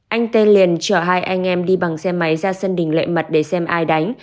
anh tê liền chở hai anh em đi bằng xe máy ra sân đình lệ mật để xem ai đánh